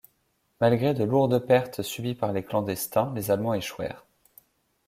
Malgré de lourdes pertes subies par les clandestins, les Allemands échouèrent.